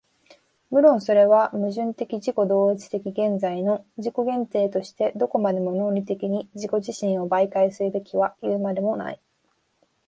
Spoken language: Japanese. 無論それは矛盾的自己同一的現在の自己限定としてどこまでも論理的に自己自身を媒介すべきはいうまでもない。